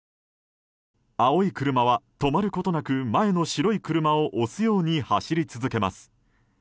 青い車は止まることなく前の白い車を押すように走り続けます。